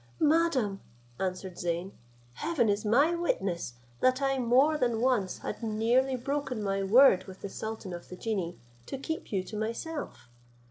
"Madam," answered Zeyn, "heaven is my witness, that I more than once had nearly broken my word with the sultan of the genii, to keep you to myself.